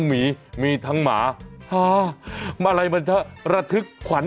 ใช้เมียได้ตลอด